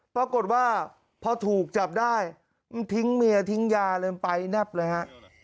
ปรากฏว่าพอถูกจับได้มันทิ้งเมียทิ้งยาเลยไปแนบเลยฮะ